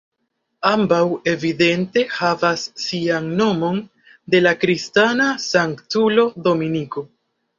Ambaŭ evidente havas sian nomon de la kristana sanktulo Dominiko.